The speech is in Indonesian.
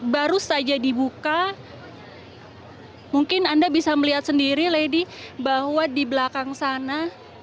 baru saja dibuka mungkin anda bisa melihat sendiri lady bahwa di belakang sana